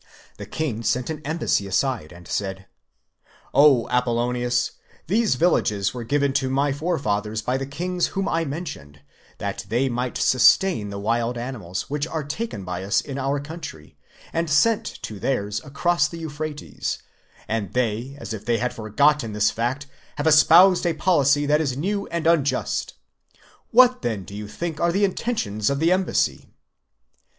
The king sent the embassy aside, and said: "QO Apollonius, these villages were given to my forefathers by the kings whom I mentioned, that _ they might sustain the wild animals, which are taken by us in our country and sent to theirs across the Euphrates, and they, as if they had forgotten this fact, have espoused a policy that is new and unjust: What then do you think are the intentions of the embassy?